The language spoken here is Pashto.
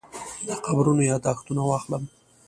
د قبرونو یاداښتونه واخلم.